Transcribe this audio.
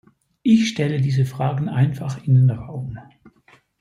Ich stelle diese Fragen einfach in den Raum.